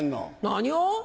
何を⁉